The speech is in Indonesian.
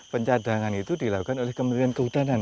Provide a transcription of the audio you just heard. pencadangan itu dilakukan oleh kementerian kehutanan